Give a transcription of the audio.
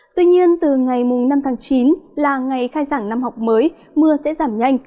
tuy nhiên từ ngày năm tháng chín là ngày khai giảng năm học mới mưa sẽ giảm nhanh